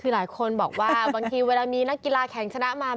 คือหลายคนบอกว่าบางทีเวลามีนักกีฬาแข่งชนะมา